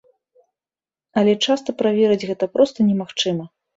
Але часта праверыць гэта проста немагчыма.